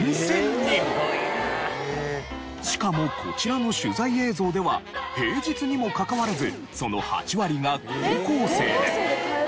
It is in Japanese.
しかもこちらの取材映像では平日にもかかわらずその。